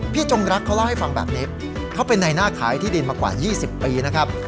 จงรักเขาเล่าให้ฟังแบบนี้เขาเป็นในหน้าขายที่ดินมากว่า๒๐ปีนะครับ